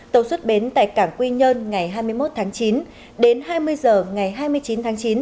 tàu xuất bến tại cảng quy nhơn ngày hai mươi một tháng chín đến hai mươi h ngày hai mươi chín tháng chín